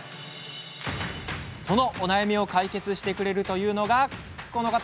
そのお悩みを解決してくれるというのが、この方。